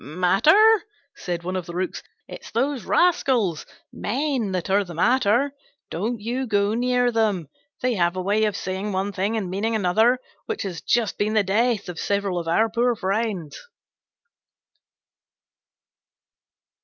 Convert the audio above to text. "Matter?" said one of the Rooks; "it's those rascals, men, that are the matter. Don't you go near them. They have a way of saying one thing and meaning another which has just been the death of several of our poor friends."